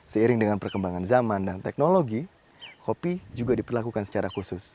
seiring dengan perkembangan zaman dan teknologi kopi juga diperlakukan secara khusus